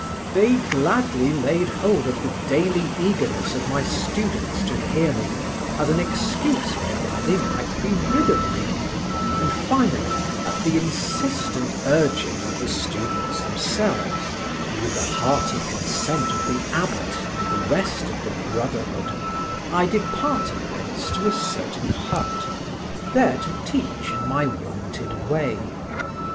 They gladly laid hold of the daily eagerness of my students to hear me as an excuse whereby they might be rid of me; and finally, at the insistent urging of the students themselves, and with the hearty consent of the abbot and the rest of the brotherhood, I departed thence to a certain hut, there to teach in my wonted way.